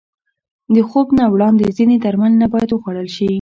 د خوب نه وړاندې ځینې درمل نه باید وخوړل شي.